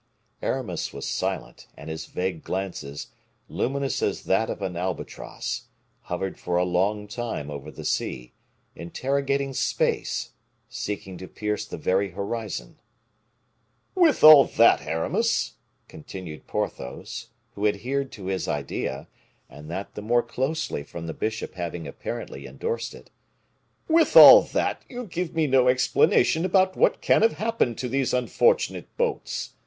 Aramis was silent; and his vague glances, luminous as that of an albatross, hovered for a long time over the sea, interrogating space, seeking to pierce the very horizon. "With all that, Aramis," continued Porthos, who adhered to his idea, and that the more closely from the bishop having apparently endorsed it, "with all that, you give me no explanation about what can have happened to these unfortunate boats.